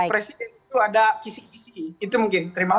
presiden itu ada kisik kisik itu mungkin terima kasih